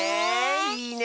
いいね！